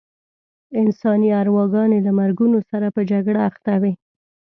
انساني ارواګانې له مرګونو سره په جګړه اخته وې.